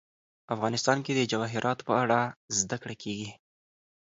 افغانستان کې د جواهرات په اړه زده کړه کېږي.